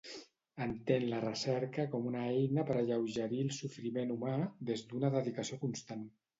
Entén la recerca com una eina per alleugerir el sofriment humà des d'una dedicació constant.